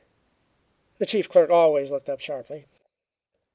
The chief clerk always looked up sharply.